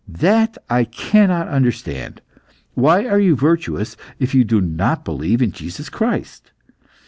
That I cannot understand. Why are you virtuous if you do not believe in Jesus Christ?